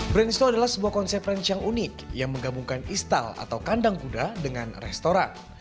branch sto adalah sebuah konsep ranch yang unik yang menggabungkan istal atau kandang kuda dengan restoran